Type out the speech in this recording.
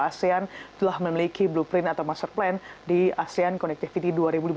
asean telah memiliki blueprint atau master plan di asean connectivity dua ribu lima belas